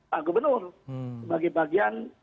pak gubernur sebagai bagian